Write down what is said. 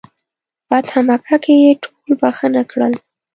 فتح مکه کې یې ټول بخښنه کړل.